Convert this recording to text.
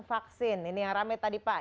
vaksin ini yang rame tadi pak